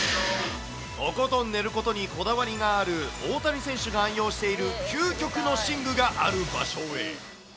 とことん寝ることにこだわりがある大谷選手が愛用している究極の寝具がある場所へ。